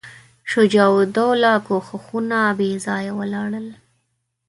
شجاع الدوله کوښښونه بېځایه ولاړل.